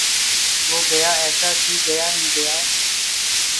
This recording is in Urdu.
وہ گیا ایسا کی گیا ہی گیا